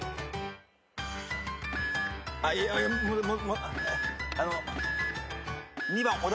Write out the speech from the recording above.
あっいやもどあの。